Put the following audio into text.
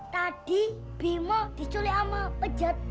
tadi brimo diculik sama pejat